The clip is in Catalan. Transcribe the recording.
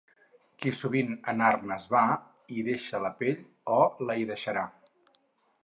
Qui sovint en armes va, hi deixa la pell o la hi deixarà.